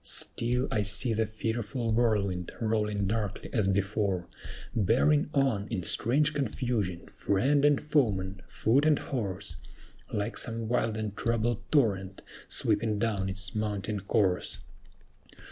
"Still I see the fearful whirlwind rolling darkly as before, Bearing on, in strange confusion, friend and foeman, foot and horse, Like some wild and troubled torrent sweeping down its mountain course."